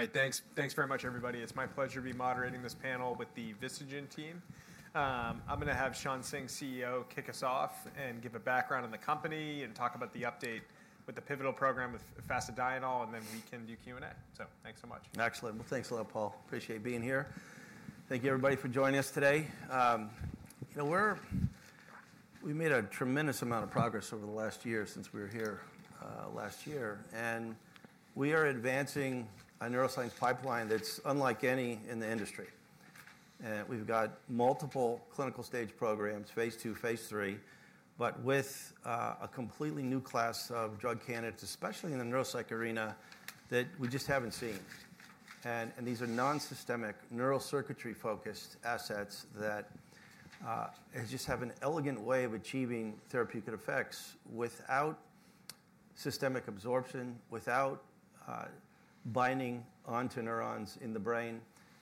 All right, thanks. Thanks very much, everybody. It's my pleasure to be moderating this panel with the Vistagen team. I'm going to have Shawn Singh, CEO, kick us off and give a background on the company and talk about the update with the pivotal program with fasedienol, and then we can do Q&A. So thanks so much. Excellent. Well, thanks a lot, Paul. Appreciate being here. Thank you, everybody, for joining us today. We've made a tremendous amount of progress over the last year since we were here last year, and we are advancing a neuroscience pipeline that's unlike any in the industry. We've got multiple clinical stage programs, phase two, phase three, but with a completely new class of drug candidates, especially in the neuropsych arena, that we just haven't seen, and these are non-systemic, neurocircuitry-focused assets that just have an elegant way of achieving therapeutic effects without systemic absorption, without binding onto neurons in the brain,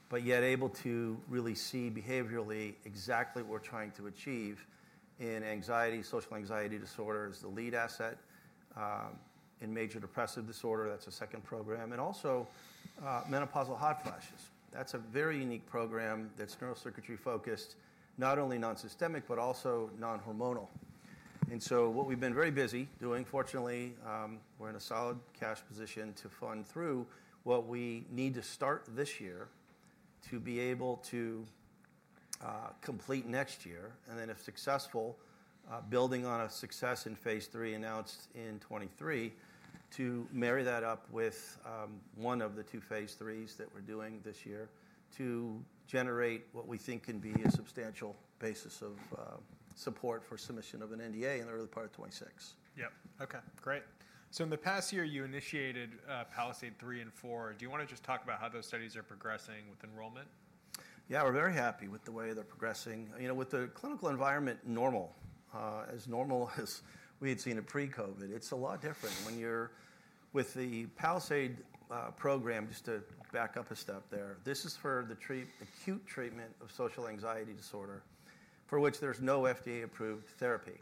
but yet able to really see behaviorally exactly what we're trying to achieve in anxiety, social anxiety disorders, the lead asset in major depressive disorder. That's a second program, and also menopausal hot flashes. That's a very unique program that's neurocircuitry-focused, not only non-systemic, but also non-hormonal. And so what we've been very busy doing, fortunately, we're in a solid cash position to fund through what we need to start this year to be able to complete next year, and then if successful, building on a success in phase three announced in 2023, to marry that up with one of the two phase threes that we're doing this year to generate what we think can be a substantial basis of support for submission of an NDA in the early part of 2026. Yep. Okay. Great. So in the past year, you initiated PALISADE-3 and PALISADE-4. Do you want to just talk about how those studies are progressing with enrollment? Yeah, we're very happy with the way they're progressing. With the clinical environment normal, as normal as we had seen it pre-COVID, it's a lot different. When you're with the PALISADE program, just to back up a step there, this is for the acute treatment of social anxiety disorder, for which there's no FDA-approved therapy,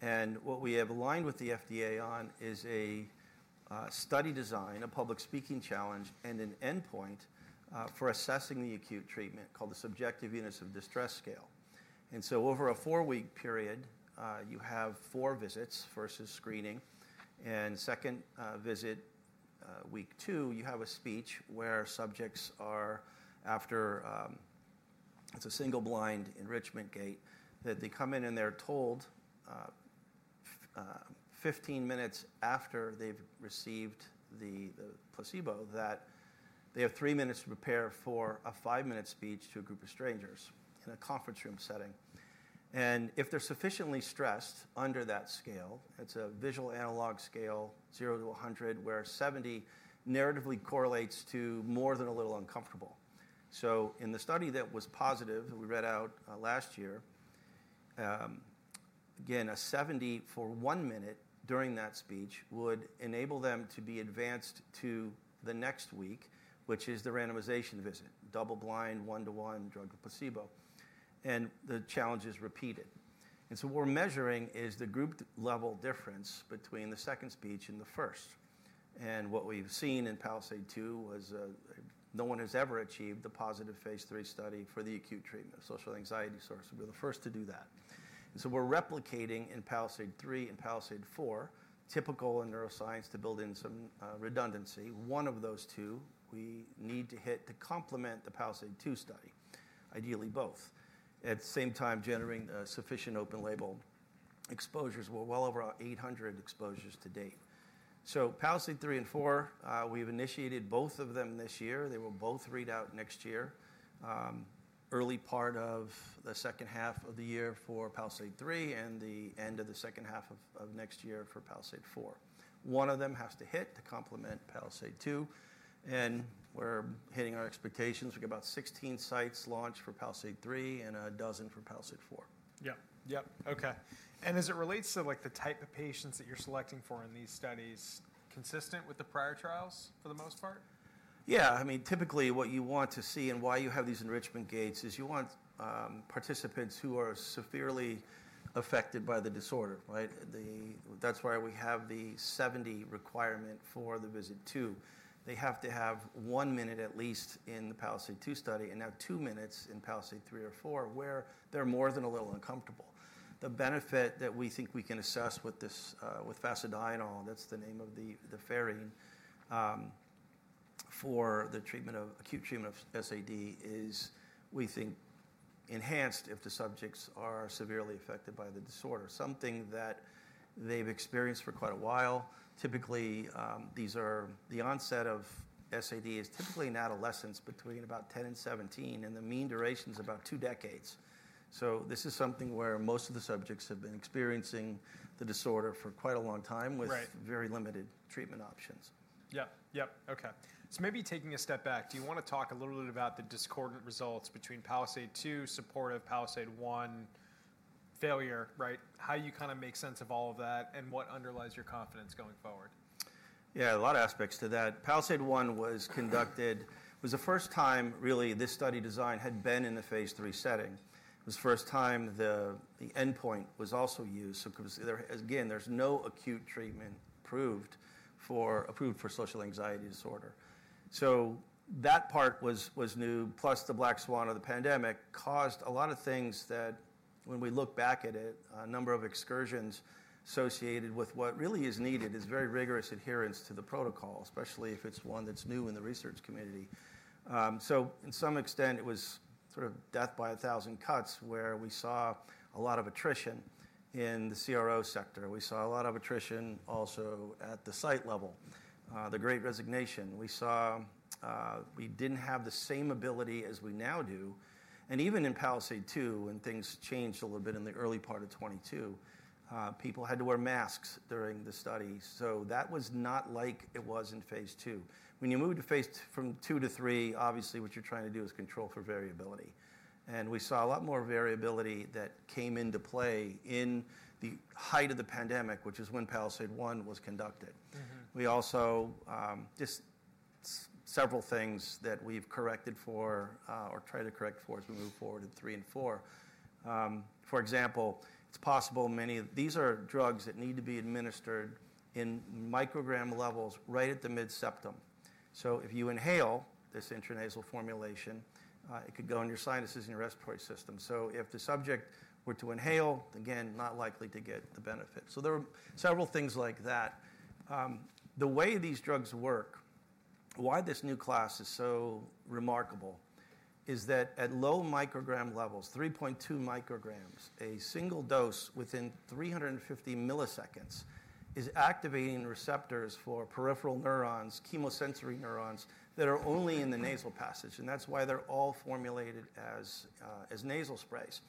and what we have aligned with the FDA on is a study design, a public speaking challenge, and an endpoint for assessing the acute treatment called the subjective units of distress scale, and so over a four-week period, you have four visits versus screening. And second visit, week two, you have a speech where subjects are after it's a single-blind enrichment gate, that they come in and they're told 15 minutes after they've received the placebo that they have three minutes to prepare for a five-minute speech to a group of strangers in a conference room setting. And if they're sufficiently stressed under that scale, it's a visual analog scale, 0 to 100, where 70 narratively correlates to more than a little uncomfortable. So in the study that was positive, we read out last year, again, a 70 for one minute during that speech would enable them to be advanced to the next week, which is the randomization visit, double-blind, one-to-one drug to placebo. And the challenge is repeated. And so what we're measuring is the group-level difference between the second speech and the first. And what we've seen in PALISADE-2 was no one has ever achieved the positive phase III study for the acute treatment of social anxiety disorder. We're the first to do that. And so we're replicating in PALISADE-3 and PALISADE-4, typical in neuroscience to build in some redundancy. One of those two we need to hit to complement the PALISADE-2 study, ideally both, at the same time generating sufficient open-label exposures. We're well over 800 exposures to date. So Palisade-3 and 4, we've initiated both of them this year. They will both read out next year, early part of the second half of the year for PALISADE-3 and the end of the second half of next year for PALISADE-4. One of them has to hit to complement PALISADE-2. And we're hitting our expectations. We got about 16 sites launched for PALISADE-3 and a dozen for PALISADE-4. Yep. Yep. Okay, and as it relates to the type of patients that you're selecting for in these studies, consistent with the prior trials for the most part? Yeah. I mean, typically what you want to see and why you have these enrichment gates is you want participants who are severely affected by the disorder. That's why we have the 70 requirement for the visit two. They have to have one minute at least in the Palisade two study and now two minutes in Palisade three or four where they're more than a little uncomfortable. The benefit that we think we can assess with this, with fasedienol, that's the name of the fasedienol for the acute treatment of SAD, is we think enhanced if the subjects are severely affected by the disorder, something that they've experienced for quite a while. Typically, the onset of SAD is in adolescence between about 10 and 17, and the mean duration is about two decades. This is something where most of the subjects have been experiencing the disorder for quite a long time with very limited treatment options. Yep. Yep. Okay. So maybe taking a step back, do you want to talk a little bit about the discordant results between PALISADE-2, supportive PALISADE-1 failure, right? How you kind of make sense of all of that and what underlies your confidence going forward? Yeah, a lot of aspects to that. PALISADE-1 was conducted. It was the first time really this study design had been in the phase three setting. It was the first time the endpoint was also used. So again, there's no acute treatment approved for social anxiety disorder. So that part was new, plus the black swan of the pandemic caused a lot of things that when we look back at it, a number of excursions associated with what really is needed is very rigorous adherence to the protocol, especially if it's one that's new in the research community. So to some extent, it was sort of death by a thousand cuts where we saw a lot of attrition in the CRO sector. We saw a lot of attrition also at the site level. The Great Resignation. We saw we didn't have the same ability as we now do. And even in PALISADE-2, when things changed a little bit in the early part of 2022, people had to wear masks during the study. So that was not like it was in phase two. When you move from two to three, obviously what you're trying to do is control for variability. And we saw a lot more variability that came into play in the height of the pandemic, which is when PALISADE-1 was conducted. We also just several things that we've corrected for or tried to correct for as we move forward in three and four. For example, it's possible many of these are drugs that need to be administered in microgram levels right at the mid-septum. So if you inhale this intranasal formulation, it could go in your sinuses and your respiratory system. So if the subject were to inhale, again, not likely to get the benefit. There were several things like that. The way these drugs work, why this new class is so remarkable is that at low microgram levels, 3.2 micrograms, a single dose within 350 milliseconds is activating receptors for peripheral neurons, chemosensory neurons that are only in the nasal passage. That's why they're all formulated as nasal sprays.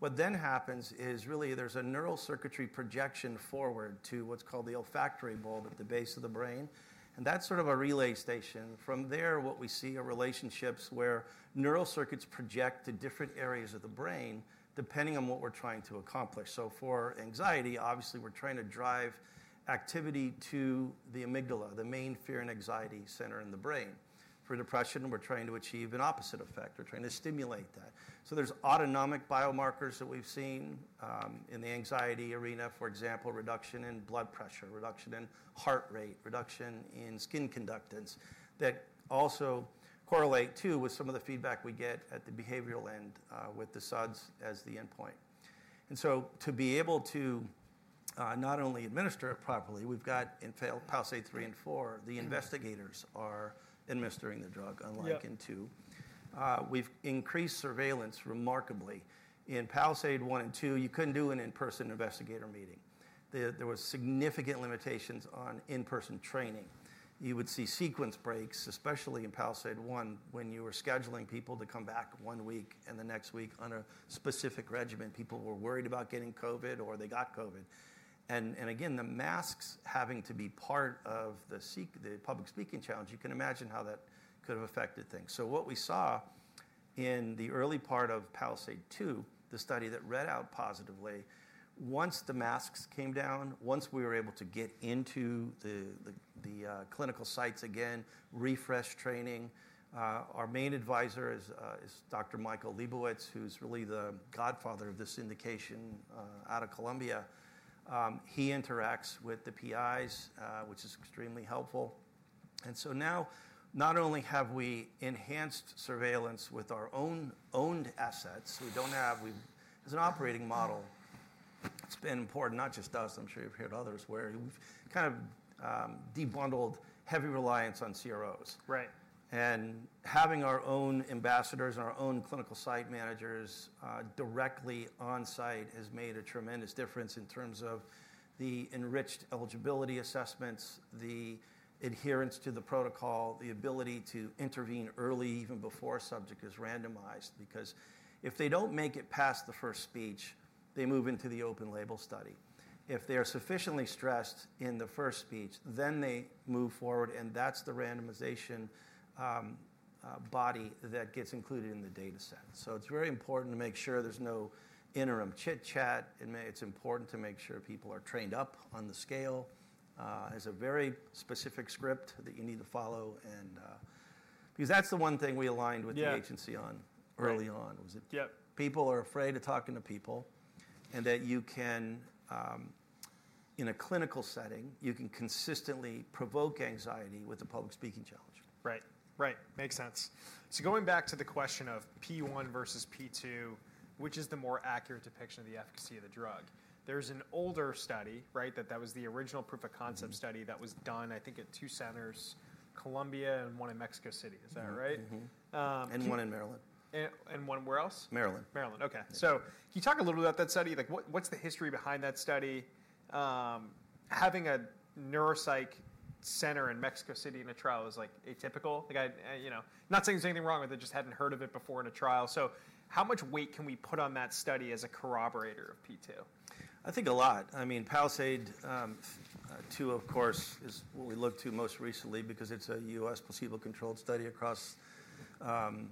What then happens is really there's a neurocircuitry projection forward to what's called the olfactory bulb at the base of the brain. That's sort of a relay station. From there, what we see are relationships where neural circuits project to different areas of the brain depending on what we're trying to accomplish. For anxiety, obviously we're trying to drive activity to the amygdala, the main fear and anxiety center in the brain. For depression, we're trying to achieve an opposite effect. We're trying to stimulate that. There's autonomic biomarkers that we've seen in the anxiety arena, for example, reduction in blood pressure, reduction in heart rate, reduction in skin conductance that also correlate to with some of the feedback we get at the behavioral end with the SUDS as the endpoint. To be able to not only administer it properly, we've got in PALISADE-3 and PALISADE-4, the investigators are administering the drug unlike in 2. We've increased surveillance remarkably. In PALISADE-1 and 2, you couldn't do an in-person investigator meeting. There were significant limitations on in-person training. You would see sequence breaks, especially in PALISADE-1 when you were scheduling people to come back one week and the next week on a specific regimen. People were worried about getting COVID or they got COVID. And again, the masks having to be part of the public speaking challenge, you can imagine how that could have affected things. So what we saw in the early part of PALISADE-2, the study that read out positively. Once the masks came down, once we were able to get into the clinical sites again, refresh training. Our main advisor is Dr. Michael Liebowitz, who's really the godfather of this indication out of Columbia. He interacts with the PIs, which is extremely helpful. And so now not only have we enhanced surveillance with our own owned assets, we don't have as an operating model. It's been important, not just us. I'm sure you've heard others where we've kind of debundled heavy reliance on CROs. Right. And having our own ambassadors and our own clinical site managers directly on site has made a tremendous difference in terms of the enriched eligibility assessments, the adherence to the protocol, the ability to intervene early even before a subject is randomized. Because if they don't make it past the first speech, they move into the open label study. If they are sufficiently stressed in the first speech, then they move forward. And that's the randomization body that gets included in the data set. So it's very important to make sure there's no interim chit chat. It's important to make sure people are trained up on the scale. It has a very specific script that you need to follow. Because that's the one thing we aligned with the agency on early on was that people are afraid of talking to people and that you can, in a clinical setting, you can consistently provoke anxiety with the public speaking challenge. Right. Right. Makes sense. So going back to the question of P1 versus P2, which is the more accurate depiction of the efficacy of the drug? There's an older study, right? That was the original proof of concept study that was done, I think, at two centers, Columbia and one in Mexico City. Is that right? One in Maryland. And one where else? Maryland. Maryland. Okay. So can you talk a little bit about that study? What's the history behind that study? Having a neuropsych center in Mexico City in a trial is like atypical. Not saying there's anything wrong with it, just hadn't heard of it before in a trial. So how much weight can we put on that study as a corroborator of P2? I think a lot. I mean, PALISADE-2, of course, is what we looked to most recently because it's a US placebo-controlled study across 18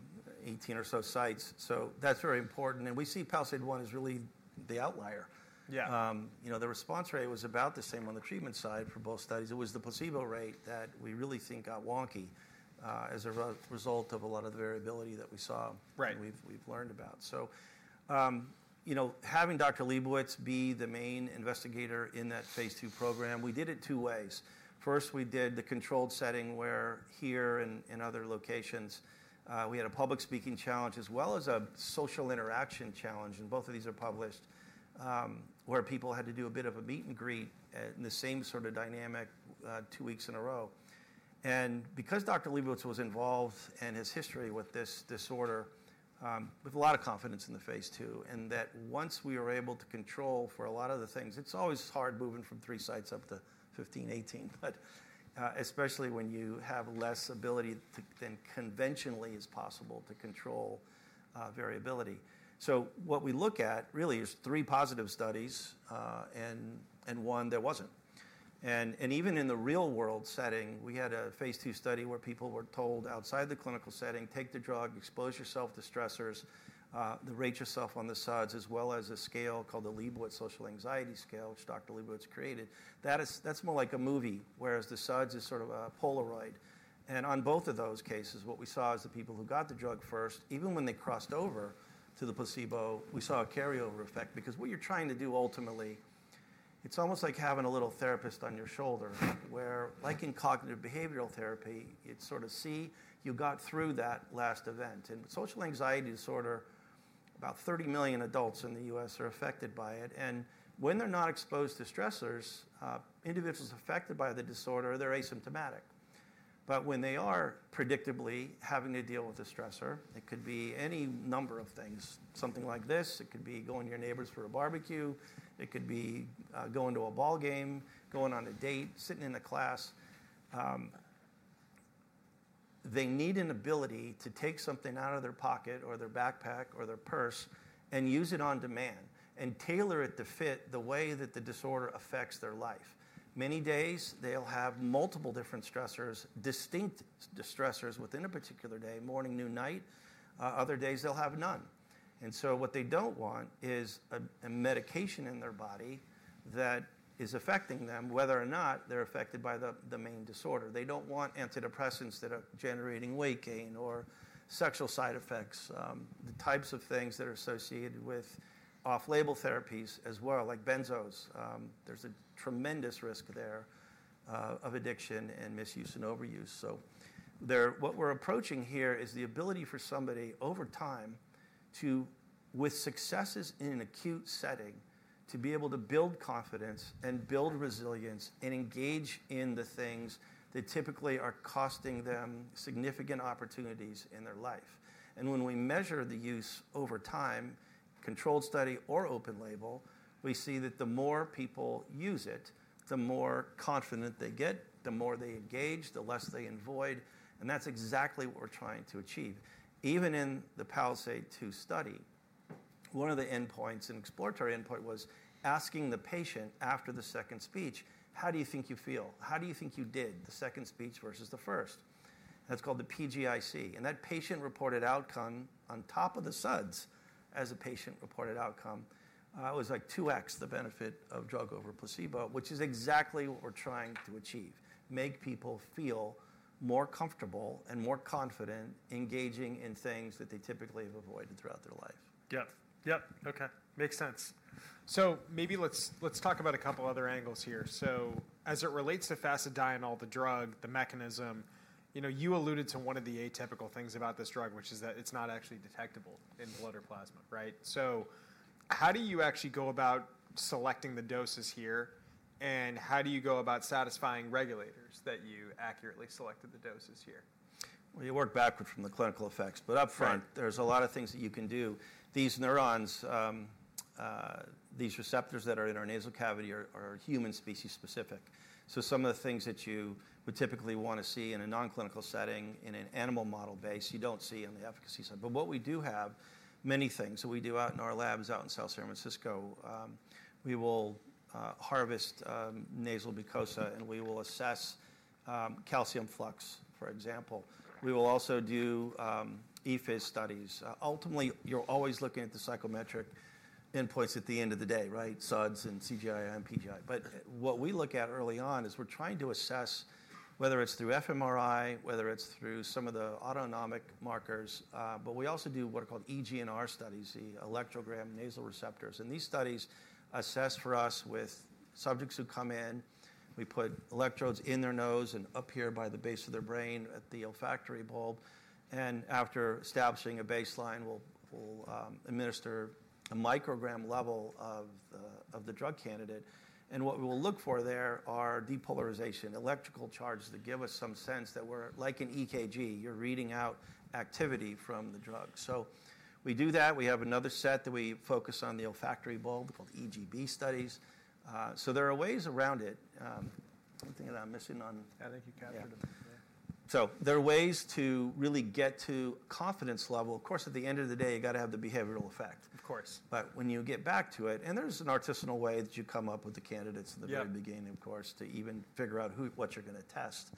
or so sites. So that's very important, and we see Palisade one is really the outlier. The response rate was about the same on the treatment side for both studies. It was the placebo rate that we really think got wonky as a result of a lot of the variability that we saw and we've learned about, so having Dr. Liebowitz be the main investigator in that phase two program, we did it two ways. First, we did the controlled setting where here and in other locations we had a public speaking challenge as well as a social interaction challenge. And both of these are published where people had to do a bit of a meet and greet in the same sort of dynamic two weeks in a row. And because Dr. Liebowitz was involved and his history with this disorder, with a lot of confidence in the phase two and that once we were able to control for a lot of the things, it's always hard moving from three sites up to 15, 18, especially when you have less ability than conventionally is possible to control variability. So what we look at really is three positive studies and one that wasn't. And even in the real world setting, we had a phase two study where people were told outside the clinical setting, take the drug, expose yourself to stressors, then rate yourself on the SUDS as well as a scale called the Liebowitz Social Anxiety Scale, which Dr. Liebowitz created. That's more like a movie, whereas the SUDS is sort of a Polaroid, and on both of those cases, what we saw is the people who got the drug first, even when they crossed over to the placebo, we saw a carryover effect. Because what you're trying to do ultimately, it's almost like having a little therapist on your shoulder where, like in cognitive behavioral therapy, it's sort of see you got through that last event, and social anxiety disorder, about 30 million adults in the U.S. are affected by it, and when they're not exposed to stressors, individuals affected by the disorder, they're asymptomatic, but when they are predictably having to deal with a stressor, it could be any number of things, something like this. It could be going to your neighbors for a barbecue. It could be going to a ball game, going on a date, sitting in a class. They need an ability to take something out of their pocket or their backpack or their purse and use it on demand and tailor it to fit the way that the disorder affects their life. Many days they'll have multiple different stressors, distinct stressors within a particular day, morning, noon, night. Other days they'll have none, and so what they don't want is a medication in their body that is affecting them, whether or not they're affected by the main disorder. They don't want antidepressants that are generating weight gain or sexual side effects, the types of things that are associated with off-label therapies as well, like benzos. There's a tremendous risk there of addiction and misuse and overuse. So what we're approaching here is the ability for somebody over time to, with successes in an acute setting, to be able to build confidence and build resilience and engage in the things that typically are costing them significant opportunities in their life. And when we measure the use over time, controlled study or open label, we see that the more people use it, the more confident they get, the more they engage, the less they avoid. And that's exactly what we're trying to achieve. Even in the PALISADE-2 study, one of the endpoints, an exploratory endpoint was asking the patient after the second speech, how do you think you feel? How do you think you did the second speech versus the first? That's called the PGIC. That patient reported outcome on top of the SUDS as a patient reported outcome was like 2X the benefit of drug over placebo, which is exactly what we're trying to achieve, make people feel more comfortable and more confident engaging in things that they typically have avoided throughout their life. Yep. Yep. Okay. Makes sense. So maybe let's talk about a couple of other angles here. So as it relates to fasedienol, the drug, the mechanism, you alluded to one of the atypical things about this drug, which is that it's not actually detectable in blood or plasma, right? So how do you actually go about selecting the doses here? And how do you go about satisfying regulators that you accurately selected the doses here? You work backwards from the clinical effects, but upfront, there's a lot of things that you can do. These neurons, these receptors that are in our nasal cavity are human species-specific. So some of the things that you would typically want to see in a non-clinical setting in an animal model-based, you don't see on the efficacy side. But what we do have, many things that we do out in our labs out in South San Francisco, we will harvest nasal mucosa and we will assess calcium flux, for example. We will also do ePhys studies. Ultimately, you're always looking at the psychometric endpoints at the end of the day, right? SUDS and CGI and PGI. But what we look at early on is we're trying to assess whether it's through FMRI, whether it's through some of the autonomic markers. But we also do what are called EGNR studies, the electrogram nasal receptors. And these studies assess for us with subjects who come in. We put electrodes in their nose and up here by the base of their brain at the olfactory bulb. And after establishing a baseline, we'll administer a microgram level of the drug candidate. And what we will look for there are depolarization, electrical charges that give us some sense that we're like an EKG. You're reading out activity from the drug. So we do that. We have another set that we focus on the olfactory bulb called EGB studies. So there are ways around it. I'm thinking I'm missing on. I think you captured it. So there are ways to really get to confidence level. Of course, at the end of the day, you got to have the behavioral effect. Of course. but when you get back to it, and there's an artisanal way that you come up with the candidates in the very beginning, of course, to even figure out what you're going to test,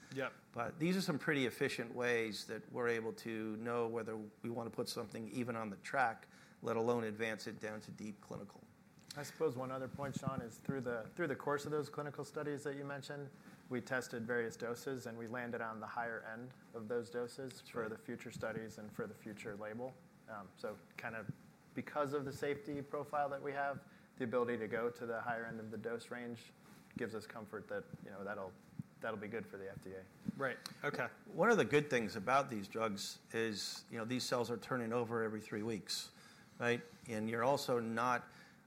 but these are some pretty efficient ways that we're able to know whether we want to put something even on the track, let alone advance it down to deep clinical. I suppose one other point, Shawn, is through the course of those clinical studies that you mentioned, we tested various doses and we landed on the higher end of those doses for the future studies and for the future label. So kind of because of the safety profile that we have, the ability to go to the higher end of the dose range gives us comfort that that'll be good for the FDA. Right. Okay. One of the good things about these drugs is these cells are turning over every three weeks, right? And you're also not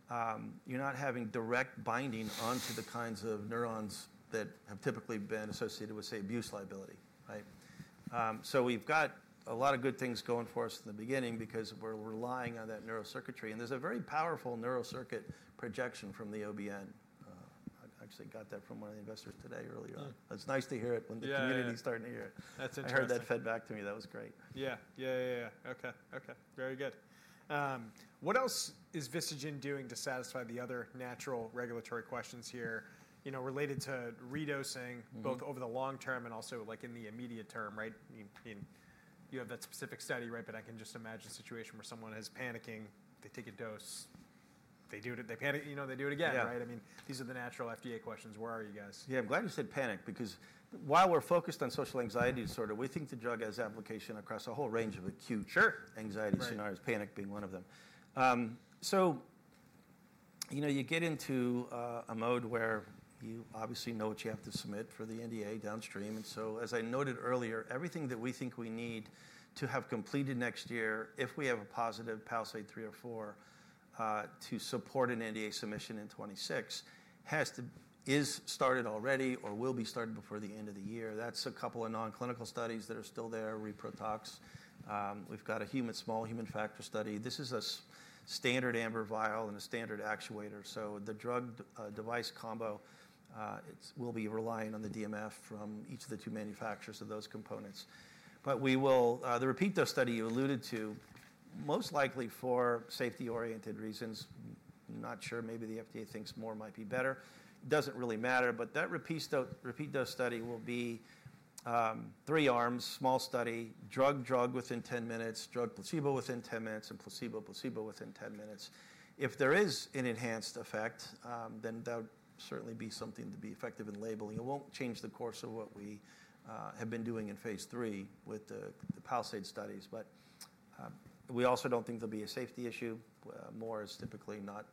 having direct binding onto the kinds of neurons that have typically been associated with, say, abuse liability, right? So we've got a lot of good things going for us in the beginning because we're relying on that neurocircuitry. And there's a very powerful neurocircuit projection from the OBN. I actually got that from one of the investors today earlier. It's nice to hear it when the community is starting to hear it. That's interesting. I heard that fed back to me. That was great. Yeah. Yeah, yeah, yeah. Okay. Okay. Very good. What else is Vistagen doing to satisfy the other natural regulatory questions here related to redosing both over the long term and also like in the immediate term, right? You have that specific study, right? But I can just imagine a situation where someone is panicking, they take a dose, they do it, they panic, they do it again, right? I mean, these are the natural FDA questions. Where are you guys? Yeah, I'm glad you said panic because while we're focused on social anxiety disorder, we think the drug has application across a whole range of acute anxiety scenarios, panic being one of them, so you get into a mode where you obviously know what you have to submit for the NDA downstream, and so as I noted earlier, everything that we think we need to have completed next year, if we have a positive PALISADE three or four to support an NDA submission in 2026, has to be started already or will be started before the end of the year. That's a couple of non-clinical studies that are still there, reprotox. We've got a small human factor study. This is a standard amber vial and a standard actuator, so the drug-device combo, it will be relying on the DMF from each of the two manufacturers of those components. But we will do the repeat dose study you alluded to, most likely for safety-oriented reasons, not sure, maybe the FDA thinks more might be better. It doesn't really matter. But that repeat dose study will be three arms, small study, drug-drug within 10 minutes, drug-placebo within 10 minutes, and placebo-placebo within 10 minutes. If there is an enhanced effect, then that would certainly be something to be effective in labeling. It won't change the course of what we have been doing in phase 3 with the Palisade studies. But we also don't think there'll be a safety issue. More is typically not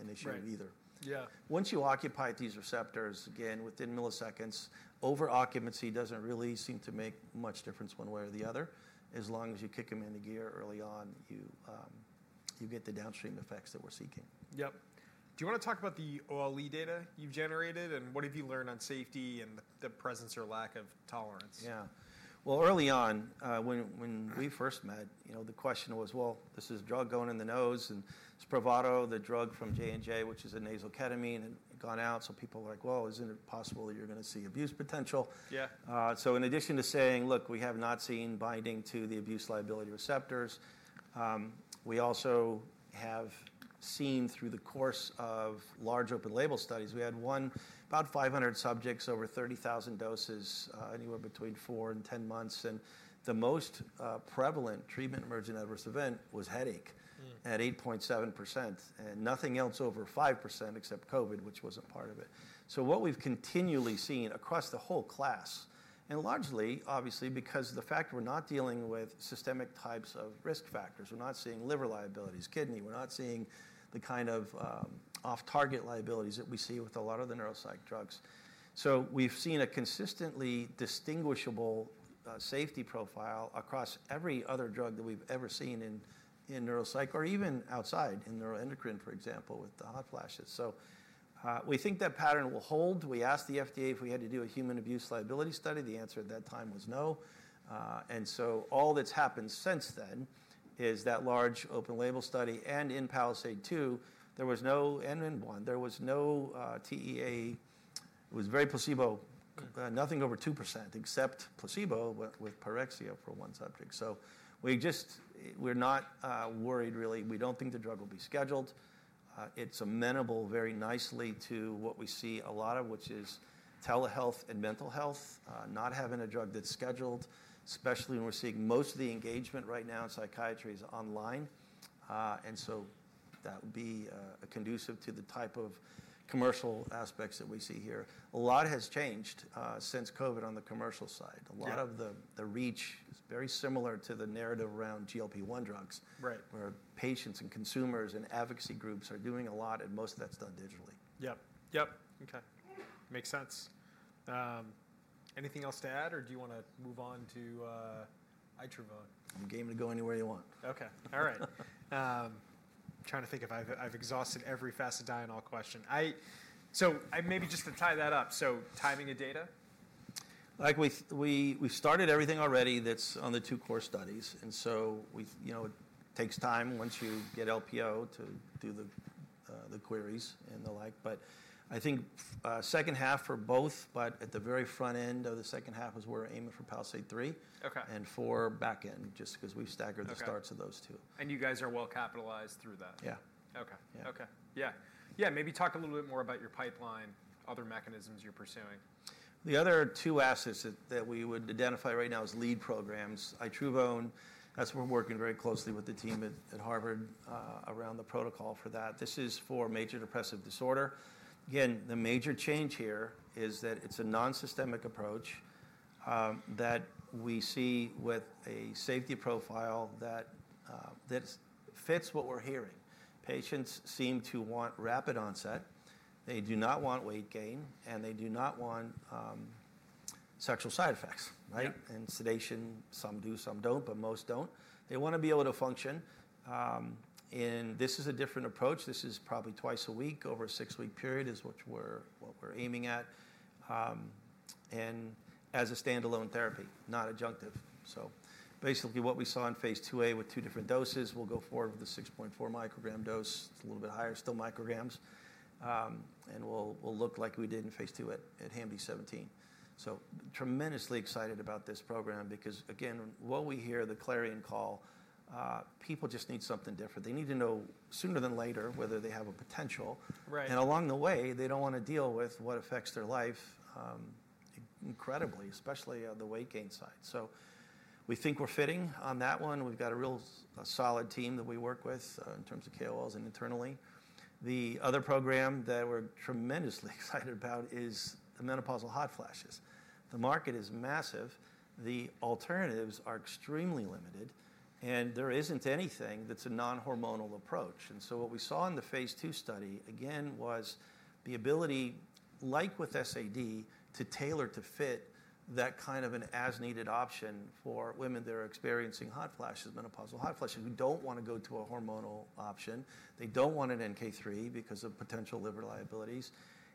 an issue either. Right. Yeah. Once you occupy these receptors, again, within milliseconds, over-occupancy doesn't really seem to make much difference one way or the other. As long as you kick them into gear early on, you get the downstream effects that we're seeking. Yep. Do you want to talk about the OLE data you've generated and what have you learned on safety and the presence or lack of tolerance? Yeah. Well, early on, when we first met, the question was, well, this is a drug going in the nose and Spravato, the drug from J&J, which is a nasal ketamine, had gone out. So people were like, well, isn't it possible that you're going to see abuse potential? Yeah. So in addition to saying, look, we have not seen binding to the abuse liability receptors, we also have seen through the course of large open label studies, we had one, about 500 subjects over 30,000 doses anywhere between four and 10 months. And the most prevalent treatment-emergent adverse event was headache at 8.7% and nothing else over 5% except COVID, which wasn't part of it. So what we've continually seen across the whole class, and largely obviously because of the fact we're not dealing with systemic types of risk factors. We're not seeing liver liabilities, kidney. We're not seeing the kind of off-target liabilities that we see with a lot of the neuropsych drugs. So we've seen a consistently distinguishable safety profile across every other drug that we've ever seen in neuropsych or even outside in neuroendocrine, for example, with the hot flashes. We think that pattern will hold. We asked the FDA if we had to do a human abuse liability study. The answer at that time was no. All that's happened since then is that large open label study, and in PALISADE-2, there was no N1, there was no TEA. It was very placebo, nothing over 2% except placebo with paresthesia for one subject. We're not worried really. We don't think the drug will be scheduled. It's amenable very nicely to what we see a lot of, which is telehealth and mental health, not having a drug that's scheduled, especially when we're seeing most of the engagement right now in psychiatry is online. That would be conducive to the type of commercial aspects that we see here. A lot has changed since COVID on the commercial side. A lot of the reach is very similar to the narrative around GLP-1 drugs where patients and consumers and advocacy groups are doing a lot, and most of that's done digitally. Yep. Yep. Okay. Makes sense. Anything else to add, or do you want to move on to itruvone? You're game to go anywhere you want. Okay. All right. Trying to think if I've exhausted every fasedienol question. So maybe just to tie that up, so timing of data? Like we've started everything already that's on the two core studies. And so it takes time once you get LPO to do the queries and the like. But I think second half for both, but at the very front end of the second half is where we're aiming for PALISADE-3 and PALISADE-4 back end just because we've staggered the starts of those two. You guys are well capitalized through that? Yeah. Okay. Okay. Yeah. Yeah. Maybe talk a little bit more about your pipeline, other mechanisms you're pursuing. The other two assets that we would identify right now is lead programs. PH10, that's where we're working very closely with the team at Harvard around the protocol for that. This is for major depressive disorder. Again, the major change here is that it's a non-systemic approach that we see with a safety profile that fits what we're hearing. Patients seem to want rapid onset. They do not want weight gain, and they do not want sexual side effects, right? And sedation, some do, some don't, but most don't. They want to be able to function. And this is a different approach. This is probably twice a week over a six-week period is what we're aiming at. And as a standalone therapy, not adjunctive. So basically what we saw in phase 2A with two different doses, we'll go forward with the 6.4 microgram dose. It's a little bit higher, still micrograms, and we'll look like we did in phase two at HAM-D 17, so tremendously excited about this program because, again, what we hear, the clarion call, people just need something different. They need to know sooner than later whether they have a potential, and along the way, they don't want to deal with what affects their life incredibly, especially on the weight gain side, so we think we're fitting on that one. We've got a real solid team that we work with in terms of KOLs and internally. The other program that we're tremendously excited about is the menopausal hot flashes. The market is massive. The alternatives are extremely limited, and there isn't anything that's a non-hormonal approach. And so what we saw in the phase 2 study, again, was the ability, like with SAD, to tailor to fit that kind of an as-needed option for women that are experiencing hot flashes, menopausal hot flashes, who don't want to go to a hormonal option. They don't want an NK-3 because of potential liver liabilities.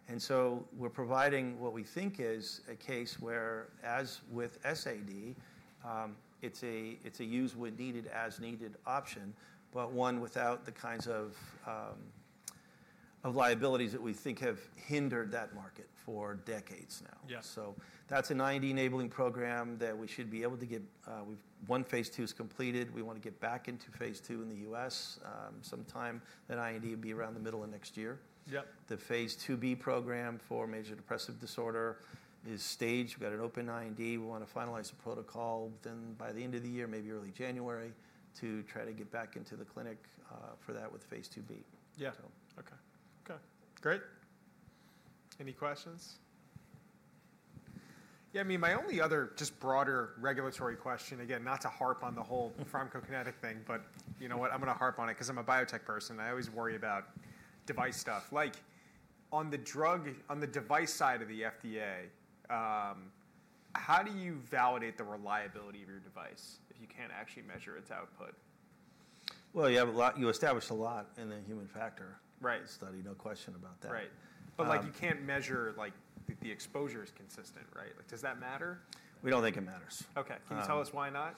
And so we're providing what we think is a case where, as with SAD, it's a used when needed, as-needed option, but one without the kinds of liabilities that we think have hindered that market for decades now. So that's an IND enabling program that we should be able to get. One phase 2 is completed. We want to get back into phase 2 in the U.S. sometime. That IND would be around the middle of next year. The phase 2B program for major depressive disorder is staged. We've got an open IND. We want to finalize the protocol then by the end of the year, maybe early January, to try to get back into the clinic for that with phase 2B. Yeah. Okay. Okay. Great. Any questions? Yeah. I mean, my only other just broader regulatory question, again, not to harp on the whole pharmacokinetic thing, but you know what? I'm going to harp on it because I'm a biotech person. I always worry about device stuff. Like on the device side of the FDA, how do you validate the reliability of your device if you can't actually measure its output? Yeah, you establish a lot in the human factor study, no question about that. Right. But like you can't measure like the exposure is consistent, right? Like does that matter? We don't think it matters. Okay. Can you tell us why not?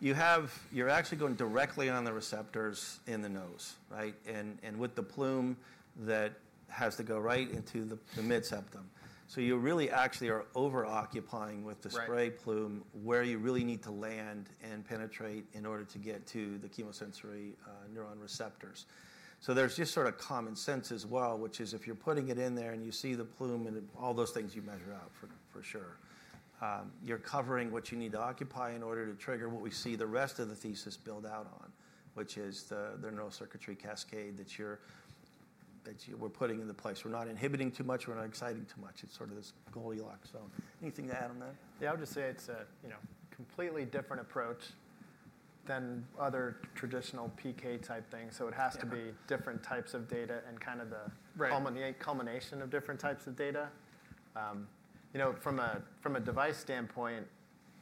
You're actually going directly on the receptors in the nose, right? And with the plume that has to go right into the mid-septum. So you really actually are over-occupying with the spray plume where you really need to land and penetrate in order to get to the chemosensory neuron receptors. So there's just sort of common sense as well, which is if you're putting it in there and you see the plume and all those things you measure out for sure, you're covering what you need to occupy in order to trigger what we see the rest of the thesis build out on, which is the neurocircuitry cascade that we're putting into place. We're not inhibiting too much. We're not exciting too much. It's sort of this Goldilocks zone. Anything to add on that? Yeah. I would just say it's a completely different approach than other traditional PK-type things. So it has to be different types of data and kind of the culmination of different types of data? From a device standpoint,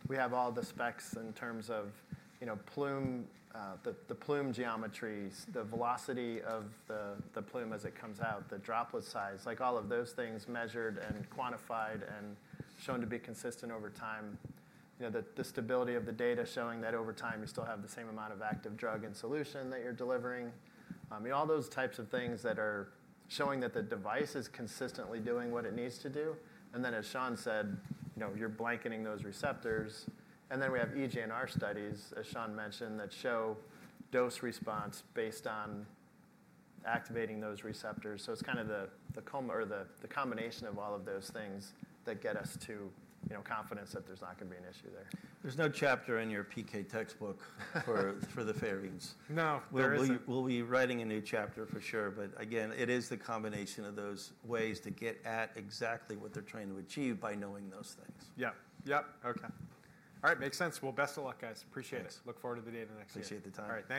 we have all the specs in terms of the plume geometries, the velocity of the plume as it comes out, the droplet size, like all of those things measured and quantified and shown to be consistent over time, the stability of the data showing that over time you still have the same amount of active drug and solution that you're delivering. All those types of things that are showing that the device is consistently doing what it needs to do. And then as Shawn said, you're blanketing those receptors. And then we have eGNR studies, as Shawn mentioned, that show dose response based on activating those receptors. So it's kind of the combination of all of those things that get us to confidence that there's not going to be an issue there. There's no chapter in your PK textbook for the pherines. No. We'll be writing a new chapter for sure. But again, it is the combination of those ways to get at exactly what they're trying to achieve by knowing those things. Yeah. Yep. Okay. All right. Makes sense. Well, best of luck, guys. Appreciate it. Look forward to the data next year. Appreciate the time. Bye.